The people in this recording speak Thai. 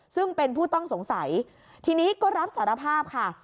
ซึ่งเป็นผู้ต้องสงสัยทีนี้ก็รับสารภาพค่ะ